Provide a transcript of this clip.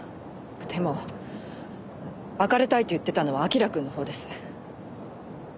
でも別れたいって言っていたのは明君のほうです。